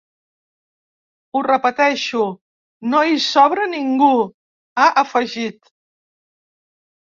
Ho repeteixo: no hi sobra ningú, ha afegit.